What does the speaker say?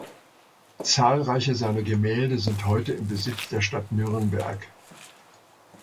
Zahlreiche seiner Gemälde sind heute im Besitz der Stadt Nürnberg.